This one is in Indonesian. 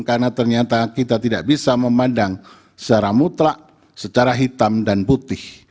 karena ternyata kita tidak bisa memandang secara mutlak secara hitam dan putih